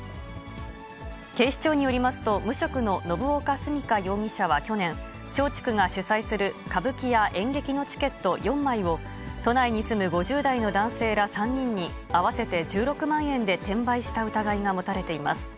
警視庁によりますと、無職の信岡純佳容疑者は去年、松竹が主催する歌舞伎や演劇のチケット４枚を、都内に住む５０代の男性ら３人に、合わせて１６万円で転売した疑いが持たれています。